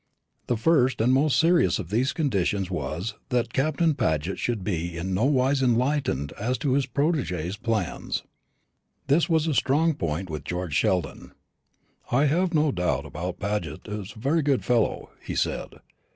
The first and most serious of these conditions was, that Captain Paget should be in nowise enlightened as to his protégé's plans. This was a strong point with George Sheldon. "I have no doubt Paget's a very good fellow," he said.